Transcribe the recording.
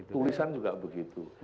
tulisan juga begitu